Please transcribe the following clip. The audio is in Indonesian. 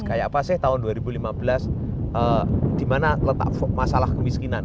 kayak apa sih tahun dua ribu lima belas di mana letak masalah kemiskinan